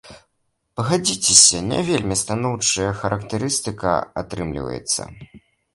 Пагадзіцеся, не вельмі станоўчая характарыстыка атрымліваецца.